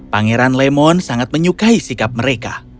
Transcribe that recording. pangeran lemon sangat menyukai sikap mereka